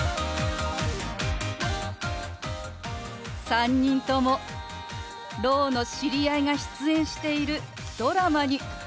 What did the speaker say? ３人ともろうの知り合いが出演しているドラマに夢中のようですね！